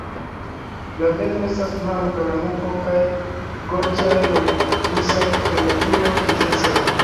La ventro estas blanka, la nuko kaj gorĝareo grizaj kaj la kruroj grizecaj.